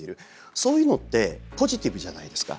そういうのってポジティブじゃないですか。